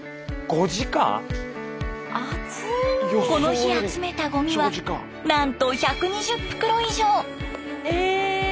この日集めたゴミはなんと１２０袋以上！